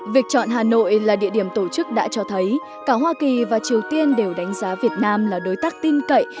việc chọn hà nội là địa điểm tổ chức đã cho thấy cả hoa kỳ và triều tiên đều đánh giá việt nam là đối tác tin cậy